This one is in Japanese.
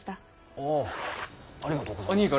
おぉありがとうございます。